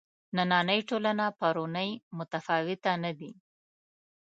نننۍ ټولنه پرونۍ متفاوته نه دي.